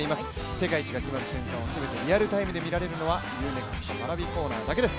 世界一が決まる瞬間を全てリアルタイムで見られるのはＵ−ＮＥＸＴＰａｒａｖｉコーナーだけです。